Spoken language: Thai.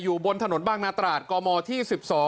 อยู่บนถนนบางนาตราชกมที่๑๒๕